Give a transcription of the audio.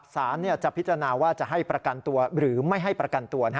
สารจะพิจารณาว่าจะให้ประกันตัวหรือไม่ให้ประกันตัว